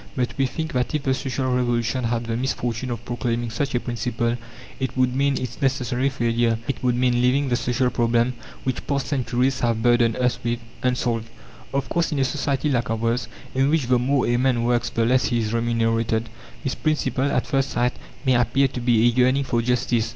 But we think that if the Social Revolution had the misfortune of proclaiming such a principle, it would mean its necessary failure; it would mean leaving the social problem, which past centuries have burdened us with, unsolved. Of course, in a society like ours, in which the more a man works the less he is remunerated, this principle, at first sight, may appear to be a yearning for justice.